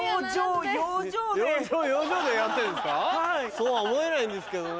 そうは思えないんですけどね。